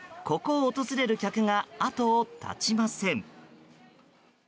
ここを訪れる客が後を絶ちません。